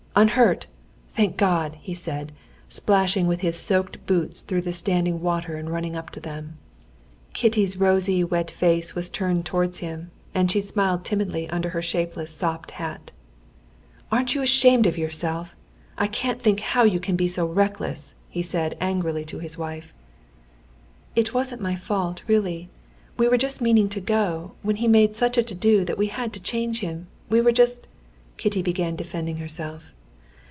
Unhurt? Thank God!" he said, splashing with his soaked boots through the standing water and running up to them. Kitty's rosy wet face was turned towards him, and she smiled timidly under her shapeless sopped hat. "Aren't you ashamed of yourself? I can't think how you can be so reckless!" he said angrily to his wife. "It wasn't my fault, really. We were just meaning to go, when he made such a to do that we had to change him. We were just...." Kitty began defending herself.